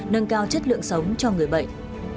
nâng cao chất lượng sống cho người bệnh